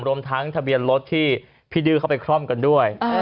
รวมทั้งทะเบียนรถที่พี่ดื้อเข้าไปคล่อมกันด้วย